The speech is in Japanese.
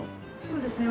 そうですね